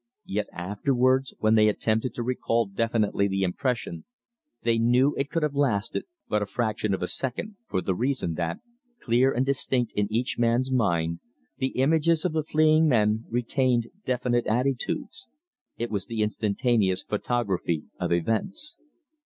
Yet afterwards, when they attempted to recall definitely the impression, they knew it could have lasted but a fraction of a second, for the reason that, clear and distinct in each man's mind, the images of the fleeing men retained definite attitudes. It was the instantaneous photography of events.